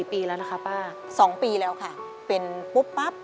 ๒ปีแล้วค่ะเป็นปุ๊บปั๊บ